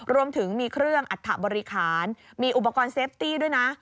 รวมถึงมีเครื่องอัฐบริคารมีอุปกรณ์เซฟตี้ด้วยนะ